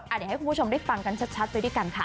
อ่ะเดี๋ยวให้คุณผู้ชมได้ฟังกันชัดชัดด้วยด้วยกันค่ะ